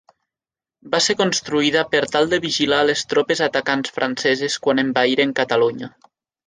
Va ser construïda per tal de vigilar les tropes atacants franceses quan envaïren Catalunya.